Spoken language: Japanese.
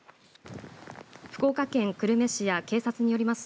福岡県久留米市や警察によります